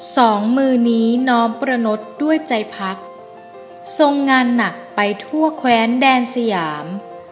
สองมือนี้น้อมประนดด้วยใจพักทรงงานหนักไปทั่วแคว้นแดนสยาม